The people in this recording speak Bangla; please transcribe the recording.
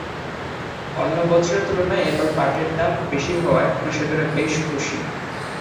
অন্য বছরের তুলনায় এবার পাটের দাম বেশি হওয়ায় কৃষকেরা বেশ খুশি।